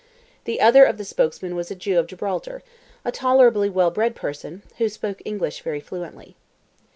The other of the spokesmen was a Jew of Gibraltar, a tolerably well bred person, who spoke English very fluently.